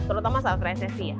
terutama saat resesi ya